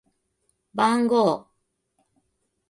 番号